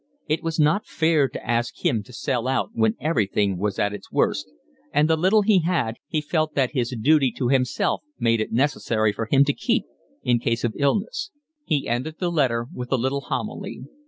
It was not fair to ask him to sell out when everything was at its worst, and the little he had he felt that his duty to himself made it necessary for him to keep in case of illness. He ended the letter with a little homily.